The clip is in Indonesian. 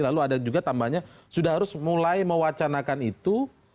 lalu ada juga tambahnya sudah harus mulai mewacanakan itu